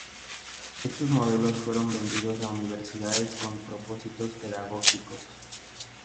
Estos modelos fueron vendidos a universidades con propósitos pedagógicos.